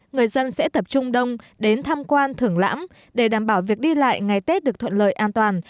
người dân sẽ tập trung đông đến tham quan thưởng lãm để đảm bảo việc đi lại ngày tết được thuận lợi an toàn